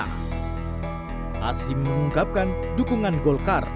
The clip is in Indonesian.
hashim mengungkapkan dukungan golkar